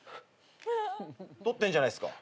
取ってんじゃないっすか。